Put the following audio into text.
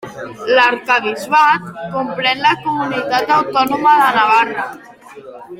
L'arquebisbat comprèn la comunitat autònoma de Navarra.